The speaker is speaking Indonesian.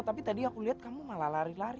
tapi tadi aku lihat kamu malah lari lari